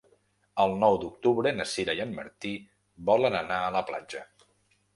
El nou d'octubre na Sira i en Martí volen anar a la platja.